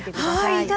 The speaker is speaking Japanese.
はい。